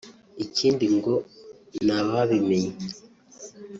Ikindi ngo n’ababimenye